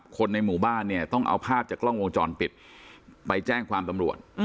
คนในหมู่บ้านเนี่ยต้องเอาภาพจากกล้องวงจรปิดไปแจ้งความตำรวจ